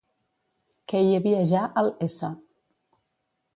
Què hi havia ja al s.